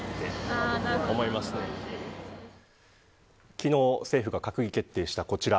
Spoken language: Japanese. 昨日、政府が閣議決定したこちら。